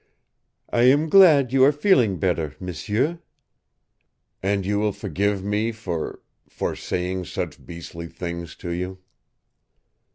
"I am glad you are feeling better, m'sieu." "And you will forgive me for for saying such beastly things to you?"